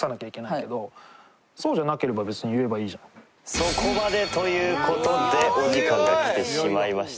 そこまでという事でお時間が来てしまいました。